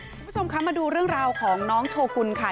คุณผู้ชมคะมาดูเรื่องราวของน้องโชกุลค่ะ